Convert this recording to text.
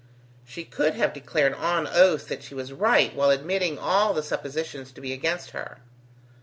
She could have declared on oath that she was right, while admitting all the suppositions to be against her.